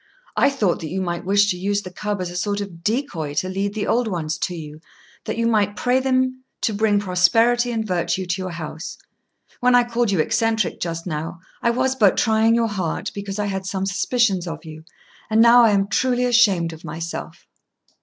I thought that you might wish to use the cub as a sort of decoy to lead the old ones to you, that you might pray them to bring prosperity and virtue to your house. When I called you eccentric just now, I was but trying your heart, because I had some suspicions of you; and now I am truly ashamed of myself."